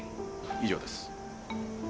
以上です。